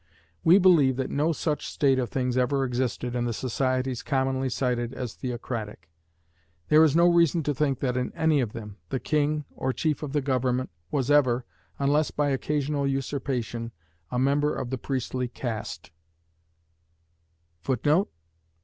We believe that no such state of things ever existed in the societies commonly cited as theocratic. There is no reason to think that in any of them, the king, or chief of the government, was ever, unless by occasional usurpation, a member of the priestly caste.